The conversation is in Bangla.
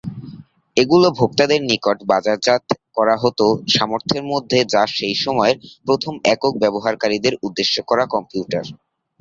এগুলো ভোক্তাদের নিকট বাজারজাত করা হত সামর্থ্যের মধ্যে যা সেই সময়ের প্রথম একক ব্যবহারকারীদের উদ্দেশ্য করা কম্পিউটার।